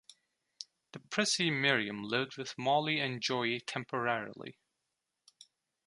The prissy Miriam lived with Molly and Joey temporarily.